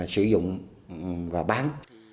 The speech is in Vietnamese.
sử dụng và bán